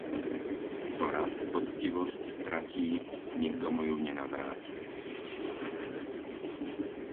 Kto raz poctivosť stratí, nikdo mu ju nenavratí.